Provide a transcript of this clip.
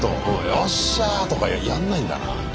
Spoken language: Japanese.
「よっしゃ！」とかやんないんだな。